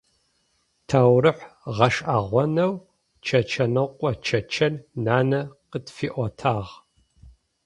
Таурыхь гъэшӏэгъонэу «Чэчэныкъо Чэчэн» нанэ къытфиӏотагъ.